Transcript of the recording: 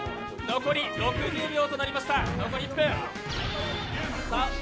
残り６０秒となりました。